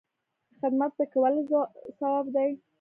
خدمت پکې ولې ثواب دی؟